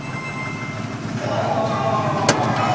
正解お見事です。